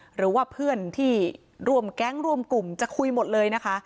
หรือว่าเพื่อนที่ร่วมแก๊งรวมกลุ่มจะคุยหมดเลยนะคะ